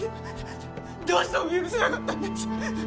どうしても許せなかったんです。